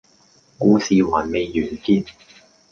故事還未完結